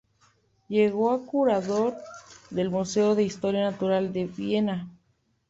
Llegó a curador del Museo de Historia Natural de Viena.